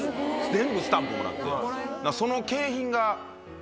全部スタンプもらって。